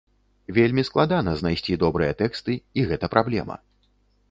Вельмі складана знайсці добрыя тэксты, і гэта праблема.